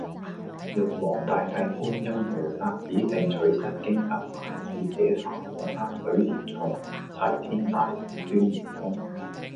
玉皇大帝觀音菩薩指定取西經特派使者花果山水簾洞齊天大聖孫悟空